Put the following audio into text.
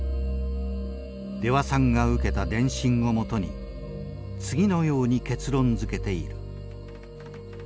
出羽さんが受けた電信を基に次のように結論づけている。